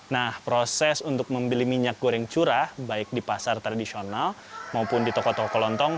nah proses untuk membeli minyak goreng curah baik di pasar tradisional maupun di toko toko kelontong